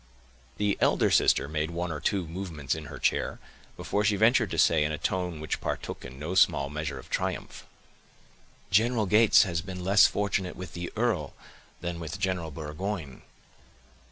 The elder sister made one or two movements in her chair, before she ventured to say, in a tone which partook in no small measure of triumph,— "General Gates has been less fortunate with the earl, than with General Burgoyne."